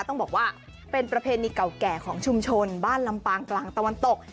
ต้องบอกว่าเป็นประเพณีเก่าแก่ของชุมชนบ้านลำปางกลางตะวันตก